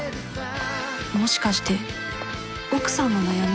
もしかして奥さんの悩みの原因